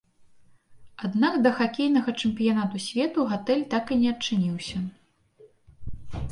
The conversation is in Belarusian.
Аднак да хакейнага чэмпіянату свету гатэль так і не адчыніўся.